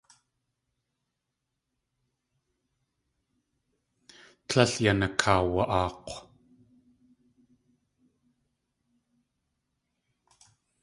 Tlél yan akaawa.aak̲w.